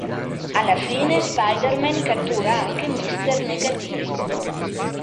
Alla fine Spider-Man cattura anche Mister Negativo.